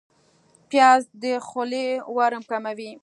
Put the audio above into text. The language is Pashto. پیاز د خولې ورم کموي